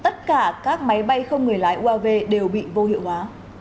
tất cả các máy bay không người lái uav đều bị vô hiệu hóa